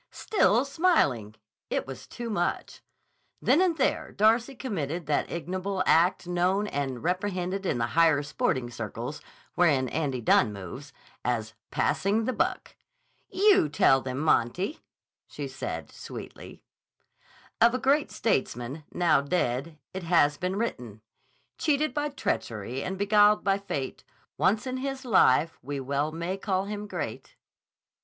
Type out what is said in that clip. Still smiling! It was too much. Then and there Darcy committed that ignoble act known and reprehended in the higher sporting circles, wherein Andy Dunne moves, as "passing the buck." "You tell them, Monty," she said sweetly. Of a great statesman, now dead, it has been written: Cheated by treachery and beguiled by Fate, Once in his life we well may call him great.